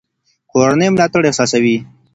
کورنۍ ملاتړ احساسوي.